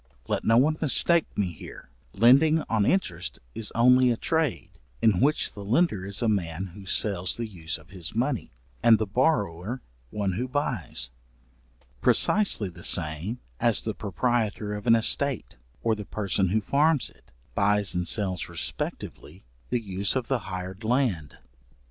Let no one mistake me here, lending on interest is only a trade, in which the lender is a man who sells the use of his money, and the borrower one who buys; precisely the same as the proprietor of an estate, or the person who farms it, buys and sells respectively the use of the hired land.